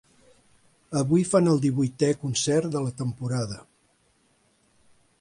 Avui fan el divuitè concert de la temporada.